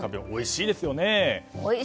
おいしいですよ！